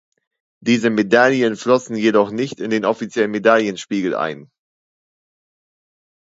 Diese Medaillen flossen jedoch nicht in den offiziellen Medaillenspiegel ein.